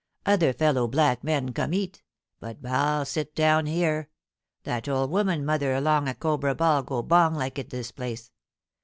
Other fellow black men come, eat ; but ba'al sit down here. That ole woman mother along a Cobra Ball go bong like it this place.